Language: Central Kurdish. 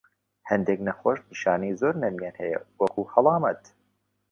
هەندێک نەخۆش نیشانەی زۆر نەرمیان هەیە، وەکو هەڵامەت.